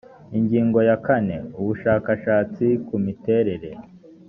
ingingo ya kane ubushakashatsi ku miterere